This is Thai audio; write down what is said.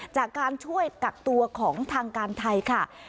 จากการช่วยกักตัวของทางการไทยค่ะ